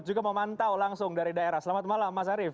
juga memantau langsung dari daerah selamat malam mas arief